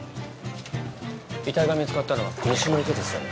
遺体が見つかったのは西の池ですよね